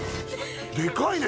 でかいね！